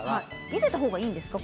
ゆでた方がいいんですか。